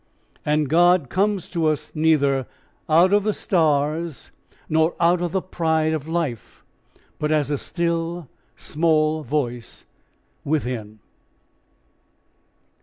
And God comes to us neither out of the stars nor out of the pride of life, but as a still small voice within.